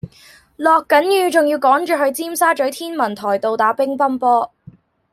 落緊雨仲要趕住去尖沙咀天文台道打乒乓波